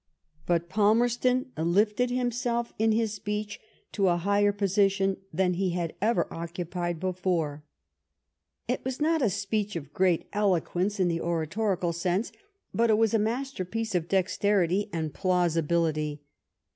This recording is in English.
But Palmerston lifted himself in his speech to a higher position than he had ever occupied before. It was not a speech of great eloquence in the oratorical sense, but it was a masterpiece of dexterity and plausibility.